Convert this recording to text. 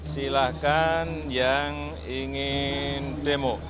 silahkan yang ingin demo